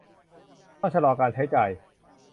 ต้องชะลอการใช้จ่าย